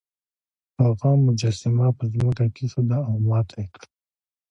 هغه مجسمه په ځمکه کیښوده او ماته یې کړه.